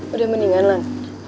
udah mendingan lah